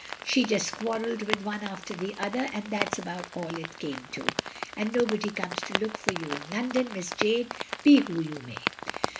She just quarrelled with one after the other and that *s about all it came to. And nobody comes to look for you in London, Miss Jane, be who you may.